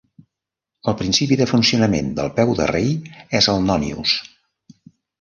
El principi de funcionament del peu de rei és el nònius.